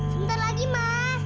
sebentar lagi ma